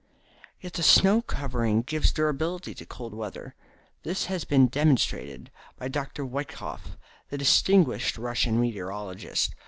Yet the snow covering gives durability to cold weather. This has been demonstrated by Dr. Woeikof, the distinguished Russian meteorologist.